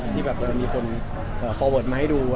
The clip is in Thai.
ที่แบบมีคนคอเวิร์ตมาให้ดู